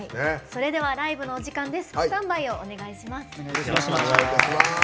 それではライブのお時間です。